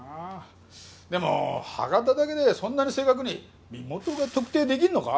でも歯型だけでそんなに正確に身元が特定できるのか？